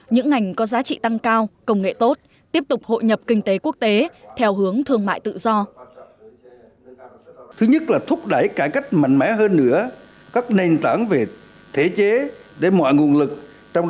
những ngành có giá trị tăng cao công nghệ tốt tiếp tục hội nhập kinh tế quốc tế theo hướng thương mại tự do